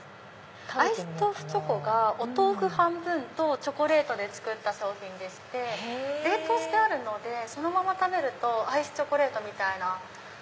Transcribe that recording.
アイス豆腐チョコがお豆腐半分とチョコレートで作った商品で冷凍してるのでそのまま食べるとアイスチョコレートみたいな。